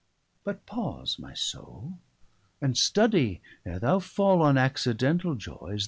But pause, my soule; And study, ere thou fall On accidentall joyes, th'essentiall.